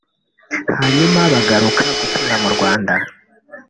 hanyuma bagaruka gutura mu Rwanda